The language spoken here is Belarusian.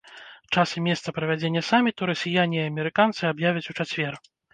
Час і месца правядзення саміту расіяне і амерыканцы аб'явяць у чацвер.